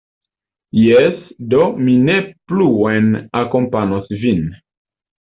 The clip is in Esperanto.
Jes, do mi ne pluen akompanos vin.